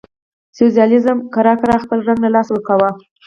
سوسیالیزم ورو ورو خپل رنګ له لاسه ورکاوه.